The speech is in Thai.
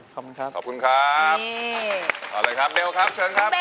ขอบคุณครับขอบคุณครับเอาเลยครับเบลครับเชิญครับ